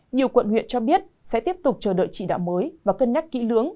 nhiều quận huyện cho biết sẽ tiếp tục chờ đợi chỉ đạo mới và cân nhắc kỹ lưỡng